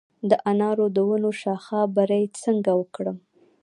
د انارو د ونو شاخه بري څنګه وکړم؟